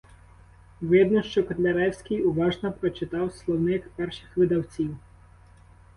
Видно, що Котляревський уважно прочитав словник перших видавців.